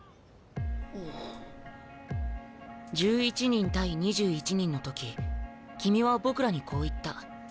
１１人対２１人の時君は僕らにこう言った。